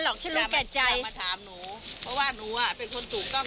เดี๋ยวไปดูว่าหลักฐาน